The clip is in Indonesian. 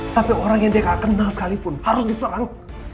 tapi orang yang dia gak kenal sekalipun harus diserang